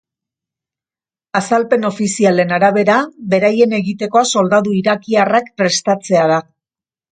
Azalpen ofizialen arabera, beraien egitekoa soldadu irakiarrak prestatzea da.